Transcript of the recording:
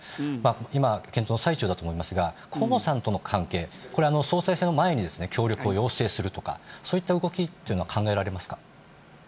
今、検討の最中だと思いますが、河野さんとの関係、これ、総裁選を前に協力を要請するとか、そういった動きというのは考えられますか。